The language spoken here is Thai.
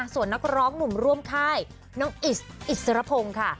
ส่วนนักร้องหนุ่มร่วมค่ายน้องอิสอิสรพงศ์ค่ะ